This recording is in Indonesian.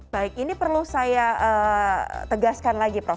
baik ini perlu saya tegaskan lagi prof